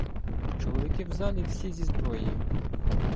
Чоловіки в залі — всі зі зброєю.